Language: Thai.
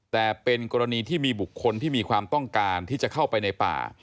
แต่เป็นกรณีที่มีบุคคลที่มีความต้องการที่จะเข้าไปในป่า